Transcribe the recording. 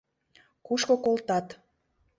Кушко колтат.